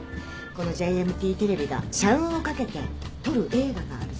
このＪＭＴテレビが社運を懸けて撮る映画があるそうです。